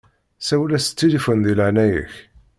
Sawel-as s tilifun di leɛnaya-k.